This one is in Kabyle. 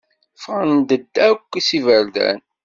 Ffɣent-d akk s iberdan.